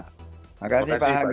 terima kasih pak hageg